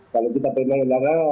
kalau kita pindah hindari